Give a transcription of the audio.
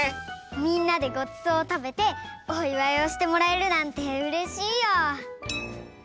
みんなでごちそうをたべておいわいをしてもらえるなんてうれしいよ。